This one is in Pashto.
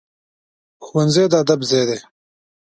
ښوونځی د ادب ځای دی